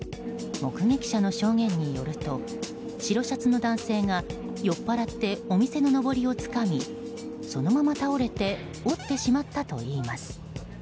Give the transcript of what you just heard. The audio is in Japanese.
目撃者の証言によると白シャツの男性が酔っ払ってお店ののぼりをつかみそのまま倒れて折ってしまったといいます。